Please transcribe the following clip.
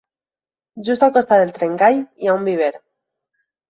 Just al costat del trencall, hi ha un viver.